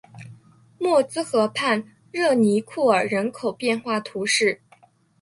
默兹河畔热尼库尔人口变化图示